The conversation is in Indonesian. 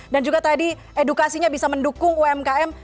dan juga tadi edukasinya bisa mendukung umkm